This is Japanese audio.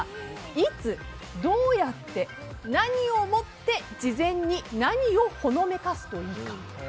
いつ、どうやって、何を持って事前に何をほのめかすといいか。